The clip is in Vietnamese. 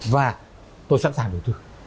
và tôi sẵn sàng đầu tư